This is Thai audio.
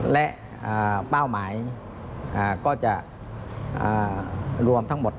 และเป้าหมายก็จะรวมทั้งหมด